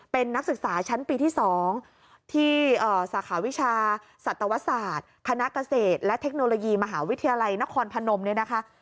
เป็นนักศึกษาชั้นปีที่๒ที่สาขาวิชาสัตวศาสตร์คณะเกษตรและเทคโนโลยีมหาวิทยาลัยนครพนมเนี่ยนะคะ